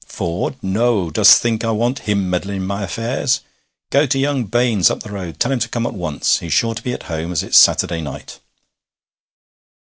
'Ford? No! Dost think I want him meddling i' my affairs? Go to young Baines up th' road. Tell him to come at once. He's sure to be at home, as it's Saturday night.'